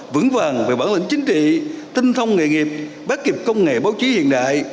vững vàng về bản lĩnh chính trị tinh thông nghề nghiệp bác kịp công nghệ báo chí hiện đại